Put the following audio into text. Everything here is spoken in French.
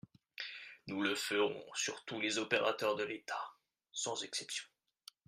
Nous le ferons sur tous les opérateurs de l’État, sans exception.